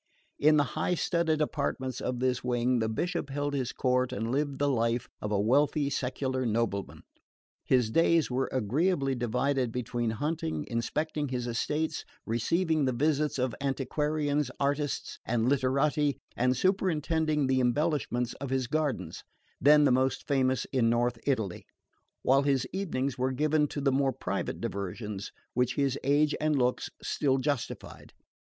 In the high studded apartments of this wing the Bishop held his court and lived the life of a wealthy secular nobleman. His days were agreeably divided between hunting, inspecting his estates, receiving the visits of antiquarians, artists and literati, and superintending the embellishments of his gardens, then the most famous in North Italy; while his evenings were given to the more private diversions which his age and looks still justified.